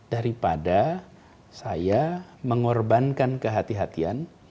daripada saya mengorbankan kehatian